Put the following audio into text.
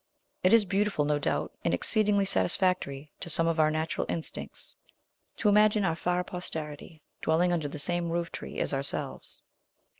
It is beautiful, no doubt, and exceedingly satisfactory to some of our natural instincts, to imagine our far posterity dwelling under the same roof tree as ourselves.